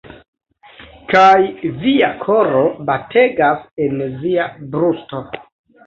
Kaj via koro bategas en via brusto